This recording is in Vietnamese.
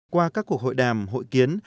qua các cuộc hội đàm hội kiến